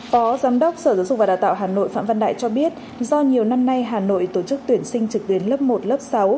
phó giám đốc sở giáo dục và đào tạo hà nội phạm văn đại cho biết do nhiều năm nay hà nội tổ chức tuyển sinh trực tuyến lớp một lớp sáu